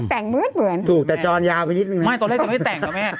แต่งเมื้อเหมือนถูกแต่จอนยาวไปนิดนึง